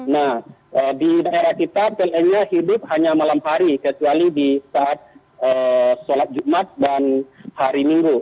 nah di daerah kita pln nya hidup hanya malam hari kecuali di saat sholat jumat dan hari minggu